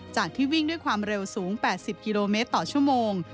จากที่วิ่งด้วยความเร็วสูง๘๐กิโลเมตรต่อชั่วโมง